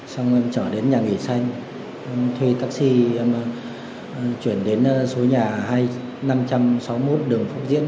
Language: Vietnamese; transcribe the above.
xong em chở đến nhà nghỉ sanh em thuê taxi em chuyển đến số nhà hai nghìn năm trăm sáu mươi một đường phúc diễn